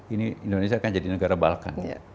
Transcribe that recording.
ini indonesia akan menjadi negara balkan